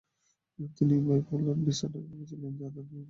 তিনি বাইপোলার ডিসর্ডারে ভুগেছিলেন যা তার জীবনকালে অসনাক্তই রয়ে গেছে।